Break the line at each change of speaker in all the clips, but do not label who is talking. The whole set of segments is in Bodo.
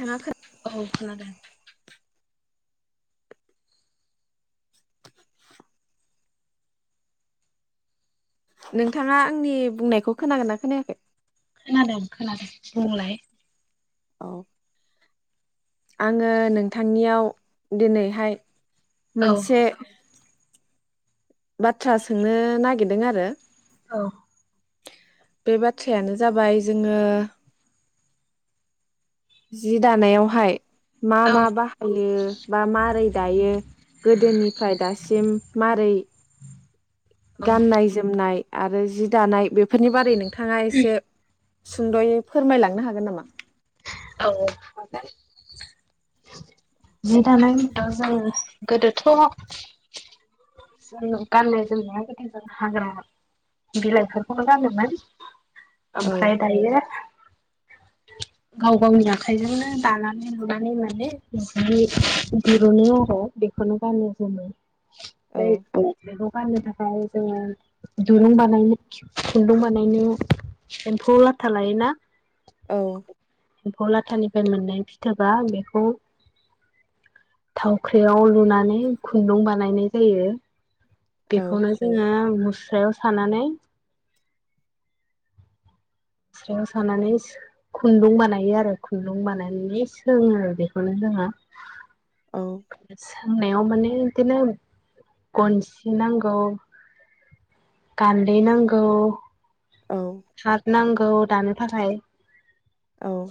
नोंथाङा खो
औ खोनादों
नोंथाङा आंनि बुंनायखौ खोनागो ना खोनायाखै
खोनादों खोनादों बुंलाय
औ आङो नोंथांनियाव दिनैहाय
औ
मोनसे बाथ्रा सोंनो नागिरदों आरो
औ
बे बाथ्रायानो जाबाय जोङो जि दानायावहाय मा
औ
मा बाहायो बा मारै दायो गोदोनिफ्राय दासिम मोरै
औ
गाननाय जोमनाय आरो जि दानाय बेफोरनि बारै नों थाङा एसे सुंदयै फोरमायलांनो हागोन नामा?
औ हागोन जि दानाय [unintelligible] जोङो गोदोथ जों गाननाय जोमनाया गोदो जों हाग्रा बिलाइफोरखौबो गानोमोन
औ
ओमफ्राय दायो गाव गावनि आखाइजोंनो दानानै लुनानै माने जि दिरुनो आरो बेखौनो गानो जोमो
औ
[unintelligible] फाननो थाखाय जोङो दुरुं बानायनो खुन्दुं बानायनो एम्फौ लाथा लायोना
औ
एम्फौ लाथानिफ्राय मोननाय फिथोबा बेखौ थावख्रियाव लुनानै खुन्दुं बानायनाय जायो
औ
बेखौनो जोङो मुस्रायाव सानानै मुस्रायाव सानानै सो खुन्दुं बानायो आरो खुन्दुं बानायनानै सोङो आरो बेखौनो
औ
[unintelligible] [inaudible] सोंनायाव माने बिदिनो गनसि नांगौ गान्दै नांगौ
औ
[unintelligible] नांगौ दानो थाखाय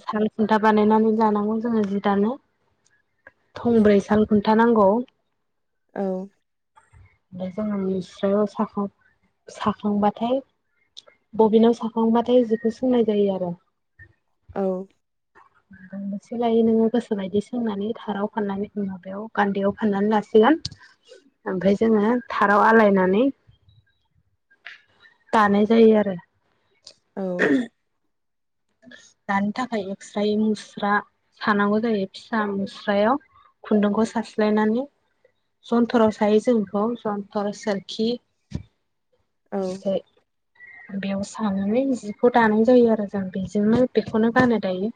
सालबो दा बानायनानै जानांगौ जोङो जि दानो। थंब्रै साल खुन था नांगौ।
औ
ओमफ्राय जोंङो मुस्रायाव साखां साखांबाथाय बबिनाव सा खांबाथाय जिखौ सुनाय जायो आरो
औ
मोनबेसे लायो नोङो गोसो बायदि सोंनानै थाराव फाननानै माबायाव गान्दैयाव फाननानै लासिगोन ओमफफ्राय जोङो थाराव आलायनानै दानाय जायो आरो
औ
[inaudible] दानो थाखाय एकस्रायै मुस्रा सानांगौ जायो । फिसा मुस्रायाव खुन्दुंखौ सारस्लायनानै जन्थराव सायो जों बेखौ। जन्थर, सोरखि
औ
ओमफ्राय बेयाव सानानै जिखौ दानाय जायो आरो जों बेजोंनो बेखौनो गानो दायो।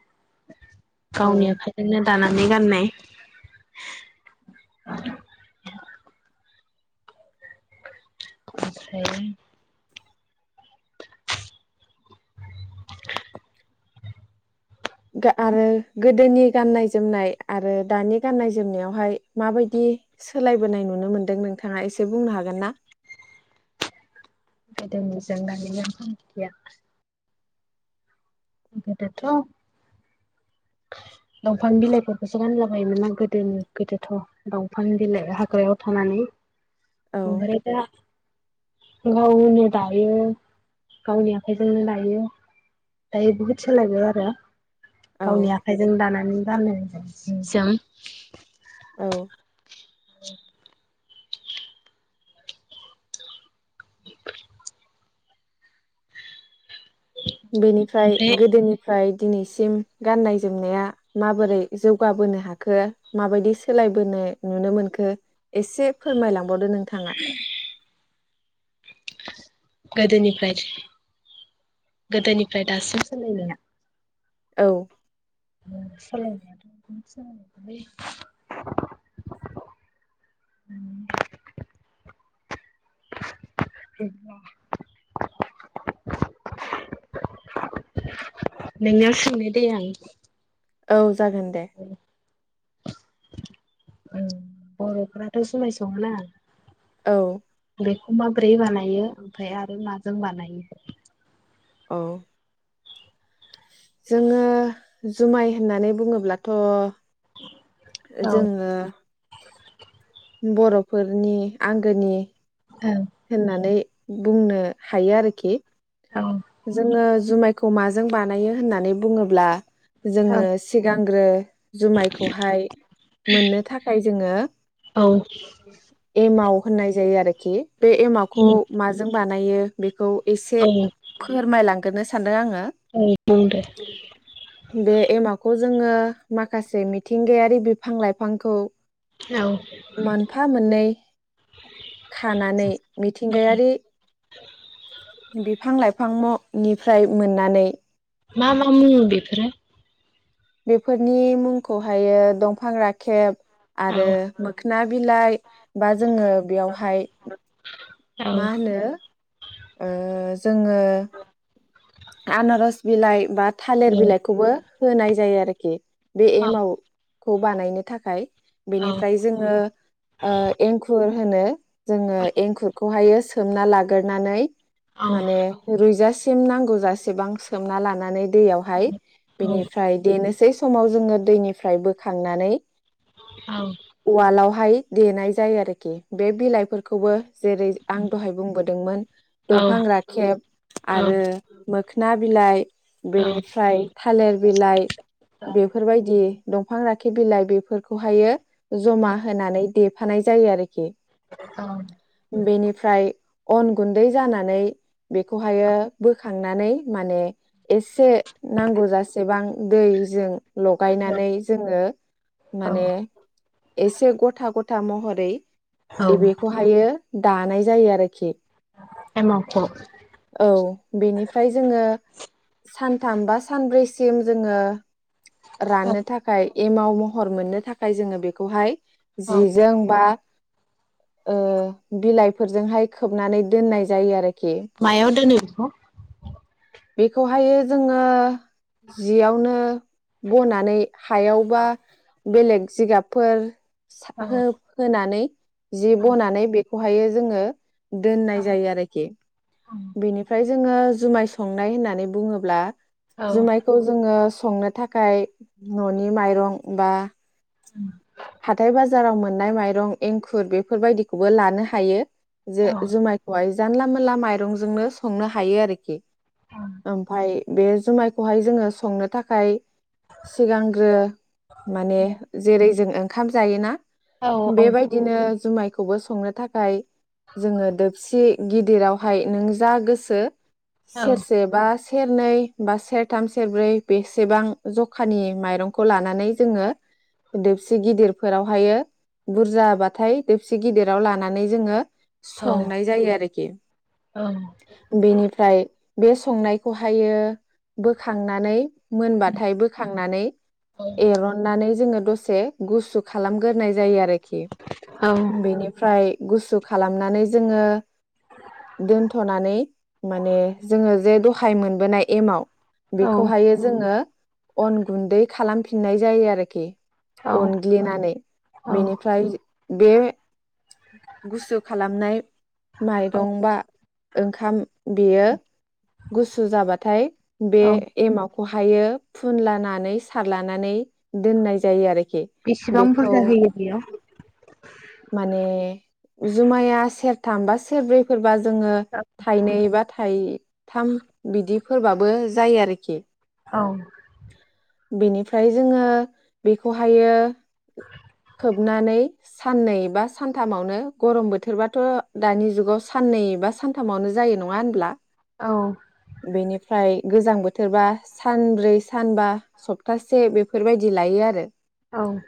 औ
गावनि आखाइजोंनो दानानै गाननाय उम ओमफ्राय [inaudible]
गा आरो गोदोनि गाननाय जोमनाय आरो दानि गाननाय जोमनायावहाय माबायदि सोलायबोनाय नुनो मोनदों नोंथाङा एसे बुंनो हागोन ना?
गोदोनिजों दानिजों फाराग गैया। बेदोथ'। दंफां बिलाइफोरखौसो गानलाबायोमोनना। गोदोनि गोदोथ' दंफां बिलाइ हाग्रायाव थानानै।
औ
ओमफ्राय दा गावनो दायो गावनि आखाइजोंनो दायो । दायो बहुद सोलायबाय आरो
औ
गावनि आखाइजों दाना नै गानो जों जि जोम।
औ
[inaudible] [inaudible]
बेनिफ्राय
ओमफ्राय
गोदोनिफ्राय दिनैसिम गाननाय जोमनाया माबोरै जौगाबोनो हाखो माबायदि सोलायबोनाय नुनो मोनखो एसे फोरमायलां बावदो नोंथाङा
गोदोनिफ्राय गोदोनिफ्राय दासिम सोलायनाया
औ
सोलायनायाथ' बिदिनो सोलायबाय। [inaudible] नोंनियाव सोंनिदै आं
औ जागोन दे।
[unintelligible] ओ बर'फोराथ' समाय सङोना
औ
माब्रै बानायो ओमफाय आरो माजों बानायो?
औ जोङो जुमाय होननानै बुङोब्लाथ' ओ
औ
जोङो बर'फोरनि आंगोनि
ओब
होननानै बुंनो हायो आरोखि
औ
जोङो ज जुमायखौ माजों बानायो होननानै बुङोब्ला जोङो
औ
सिगां ग्रो जुमायखौहाय मोननो थाखाय जोङो
औ
एमाव होननाय जायो आरो दि बे एमावखौ
उम
माजों बानायो बेख खौ एसे
औ
खमायलांग्रोनो सान दो आङो
औ बुंदो
बे एमावखौ जोङो माखासे मिथिंगायारि बिफां लाइफांखौ
औ
मोनफा मोननै खानानै मिथिंगायारि बिफां लाइफ फांल' निफ्राय मोननानै
मा मा मुङो बेफोरो
बेफोरनि मुंखौहायो दंफां राखेब
औ
आरो मोखना बिलाइ बा जोङो बेयावहाय
औ
मा होनो ओ जोङो आनारस बिलाइ बा
औ
थालिर बिलाइखौबो होनाय जायो आरोखि बे
औ
एमाव खौ बानायनो थाखाय
औ
बेनिफ्राय जोङो ओ एंखुर होनो जोंङो
औ
एंखुरखौहायो स सोमना लाग्रनानै
औ
माने रुय जास सिम नांगौ जाय एसेबां सोमना लानानै दैयावहाय बेनिफ्राय देनोसै सै समाव जोंङो दैनिफ्राय बोखांनानै
औ
हाय देनाय जायो आरोखि बे बिलाइफोरखौबो जेरै आं दहाय बुंबोदोंमोन दंफां राखेब
औ
आरो मोखोना बिलाइ बेनिफ्राय थालिर बिलाइ बेफोर बायदि दंफां राखेबा बिलाइ बेफोरखौहायो जमा होनानै दे थानाय जायो आरोखि
औ
बेनिफ्राय अन गुन्दै जानानै बेखौहायो बोख खांनानै माने एसे नांगौ जासेबां दैजों लगायनानै जोंङो
औ
माने एसे गथा गथा महरै
औ
एबे खौहायो दानाय जायो आरोखि।
एमावखौ
औ बेनिफ्राय जोंङो सानथाम बा सानब्रै सिम जोंङो रानो थाखाय एमाव महर मोननो थाखाय जोंङो बेखौहाय
औ
जिजों बा ओ बिलाइफोरजोंहाय खोबनानै दोननाय जायो आरो
मायाव दोनो? ह
बेखौहायो जोंङो जियावनो बनानै हायाव बा बेलेग जिगाबफोर
औ
साथाखौ होनानै जि बनानै बे खौहायो जोङो दोननाय जायो आरोखि बेनिफ्राय जोङो जुमाय संनाय होननानै बुङोब्ला
औ
जुमायखौ जोङो संनो थाखाय न'नि माइरं बा
उम
हाथाय बाजाराव मोननाय माइरं एंखुर बेफोरबायदिखौबो लानो हायो जे
औ
जुमायखौ हाय जानला मोनला माइरंजोंनो संनो हायो आरोखि ओमफ्राय बे जुमायखौहाय जोङो संनो थाखाय सिगांग्रो माने जेरै जों ओंखाम जायोना
औ
बेबायदिनो जुमायखौबो संनो थाखाय जोङो दोबसि गिदिरावहाय नों जा गोसो सेरसे बा सेरनै बा सेरथाम सेरब्रै बेसेबां जखानि माइरंखौ लानानै जोङो दबसे गिदिरफोरावहायो बुरजाबाथाय दोबसे गिदिराव लानानै जोङो संनाय जायो आरोखि बेनिफ्राय बे संनायखौहायो बोखांनानै मोनबाथाय बोखांनानै एरननानै जोङो दसे गुसु खालामग्रोनाय जायो आरो बेनिफ्राय गुसु खालामनानै जोङो दोनथ'नानै माने जोङो जे दहाय मोनबोनाय एमाव बेखौहायो जोङो अन गुन्दै खालामफिननाय जायो आरोखि अनग्लिनानै
औ
बेनिफ्राय बे गुसु खालामनाय माइरं बा ओंखाम। बेयो। गुसु जाबाथाय। बे
औ
एमाव। खौहायो फुनलानानै सारलानानै दोननाय जायो आरो।
बेसेबां बुरजा होयो बेयाव?
माने जुमाया सेरथाम बा सेरब्रैफोरबा। जोङो थाइनै बा थाइ थाम बिदिफोरबाबो जायो आरोखि।
औ।
बेनिफ्राय जोङो बेखौहायो खोबनानै। साननै बा सानथामावनो गरम बोथोरबाथ' दानि जुगाव साननै बा सानथामावनो जायो नङा होनब्ला?
औ।
बेनिफ्राय गोजां बोथोरबा सानब्रै सानबा सप्तासे बेफोरबायदि लायो आरो।
औ।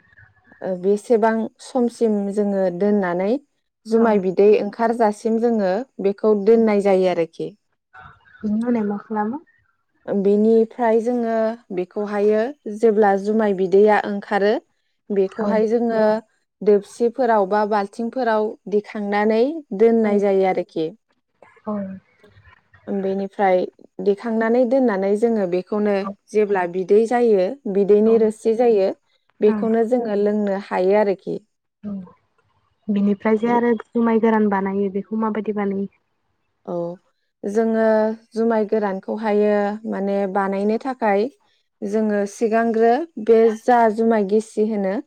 एसेबां समसिम जोङो दोननानै। जुमाय बिदै ओंख खारजासिम जोङो। बेखौ दोननाय जायो आरोखि।
बेनि [unintelligible] मा खालामो?
ओ-बिनिफ्राय जोङो। बेखौहायो। जेब्ला जुमाय बिदैया ओंखारो।
औ
बेखौहाय जोङो दोबसिफोराव बा बा थिंफोराव दिखांनानै।
औ
दोननाय जायो आरोखि।
औ
फ्राय दिखांनानै दोननानै जोङो बे खौनो
औ
जेब्ला बिदै जायो
औ
बिदैनि रोसि जायो
औ
बेखौनो जोङो लोंनो । थायो आरोखि।
औ बिनिफ्राय जे आरो जुमाय गोरान बानायो बेखौ माबायदि बानायो?
औ जोङो जुमाय गोरानखौहायो माने बानायनो थाखाय जोङो सिगांग्रो बे जा जुमाय गेसि होनो ।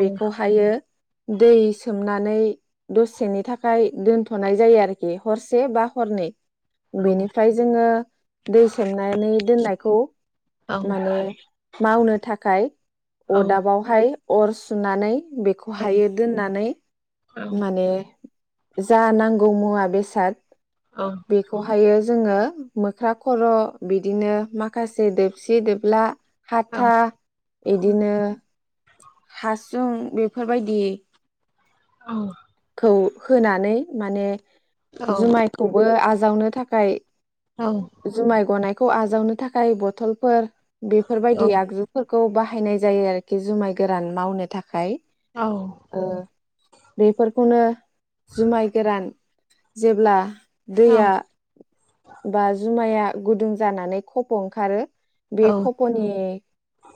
औ
दै सोमनानै दसेनि थाखाय दोनथनाय जायो आरोखि हर से बा हरनै। बेनिफ्राय जोङो दै सोमनानै दोननायखौ
औ
माने मावनो थाखाय
औ
अदाबावहाय। अर सुनानै
औ
बेखौहायो दोननानै माने जा नांगौ मुवा बेसाद
औ
बेखौहायो जोङो मोख्रा खर' बिदिनो माखासे दोबसि दोबला
औ
हाथा इदिनो हासुं बेफोरबायदि
औ।
होनानै माने जुमायखौबो आ जावनो थाखाय जुमाय गनाय खौ आजावनो थाखाय बथलफोर बेफोरबायदि आगजुफोरखौ खौ बाहायनाय जायो आरोखि जुमाय गोरान मावनो थाखाय
औ।
बेेफोर खौनो जुमाय गोरान जेब्ला दैया बा जुमाया गुदुं जानानै खफ' ओंखारो बे खप'नि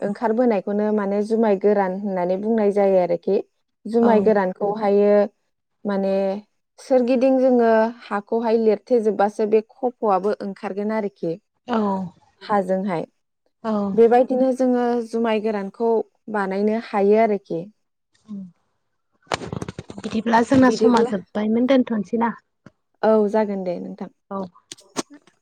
ओंखारबोनायखौनो मान माने जुमाय गोरान होननानै बुंनाय जायो आरोखि जुमाय गोरानखौहायो माने सोरगिदिं जोङो हाखौहाय लिरथेेजोबबासो बे खब फ'वाबबो ओंखारगोन आरोखि
औ
हाजोंहाय
औ
बेबायदिनो जोङो जुमाय गोरानखौ बानायनो हायो आरोखि
औ। बिदिब्ला जोंना समा
बिदिब्ला
जोब्बायमोन दोनथ'सैना?
औ जागोन दे । [inaudible]